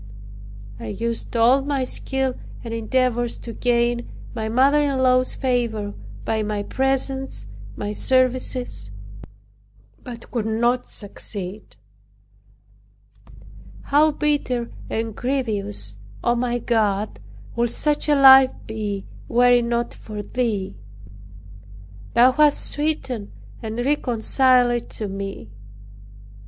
I used all my skill and endeavors to gain my mother in law's favor by my presents, my services; but could not succeed. "How bitter and grievous, O my God, would such a life be were it not for Thee! Thou hast sweetened and reconciled it to me."